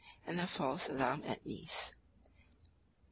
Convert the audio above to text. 26, 27; and the false alarm at Nice, l.